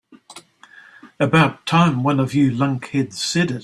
About time one of you lunkheads said it.